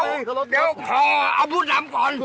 เอาพอเอาพูดลำก่อน